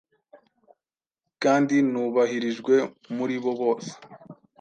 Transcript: kandi nubahirijwe muri bo bose.